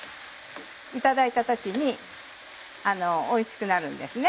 いただいた時においしくなるんですね。